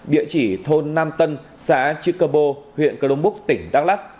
địa chỉ thôn nam tân xã chư cơ bô huyện cơ đông búc tỉnh đắk lắc